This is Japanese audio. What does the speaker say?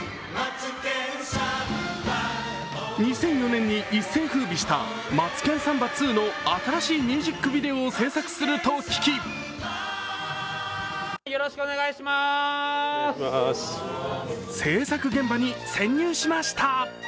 ２００４年に一世風靡した「マツケンサンバⅡ」の新しいミュージックビデオを制作すると聞き制作現場に潜入しました。